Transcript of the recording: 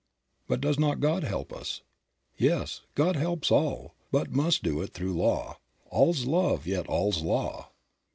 But does not God help us? Yes, God helps all, but must do it through law. "All's love yet all's law."